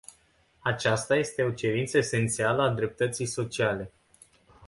Aceasta este o cerință esențială a dreptății sociale.